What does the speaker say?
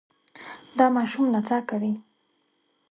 دا ماشوم نڅا کوي.